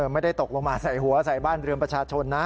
ไม่ได้ตกลงมาใส่หัวใส่บ้านเรือนประชาชนนะ